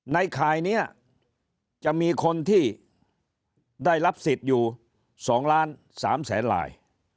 ข่ายนี้จะมีคนที่ได้รับสิทธิ์อยู่๒ล้าน๓แสนลาย